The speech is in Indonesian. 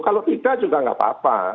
kalau tidak juga nggak apa apa